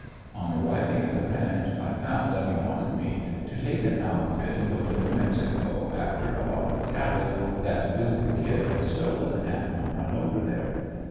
On arriving at the ranch I found that he wanted me to take an outfit and go to New Mexico after a lot of cattle that "Billy the Kid" had stolen and run over there.